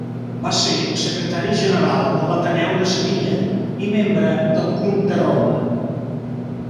Va ser Secretari General de l'Ateneu de Sevilla i membre del Club de Roma.